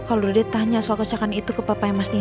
kalau dia tanya soal kecelakaan itu ke papa yang mas nino